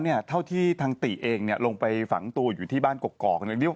พลิกต๊อกเต็มเสนอหมดเลยพลิกต๊อกเต็มเสนอหมดเลย